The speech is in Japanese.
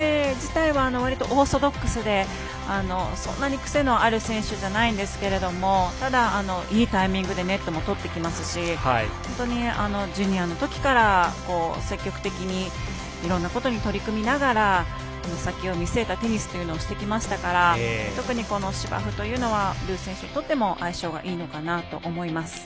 プレー自体はわりとオーソドックスでそんなに癖のある選手じゃないんですけれどもただ、いいタイミングでネットも取ってきますしジュニアのときから積極的にいろんなことに取り組みながら先を見据えたテニスというのをしてきましたから特に芝生というのはルー選手にとっても相性がいいのかなと思います。